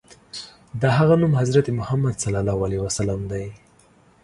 د هغه نوم حضرت محمد ص دی.